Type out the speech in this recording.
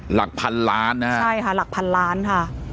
หลักพันล้านนะฮะใช่ค่ะหลักพันล้านค่ะ